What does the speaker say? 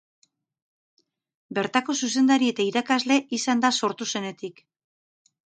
Bertako zuzendari eta irakasle izan da sortu zenetik.